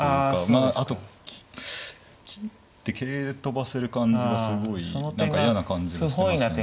まああと切って桂で跳ばせる感じがすごい何か嫌な感じがしますね。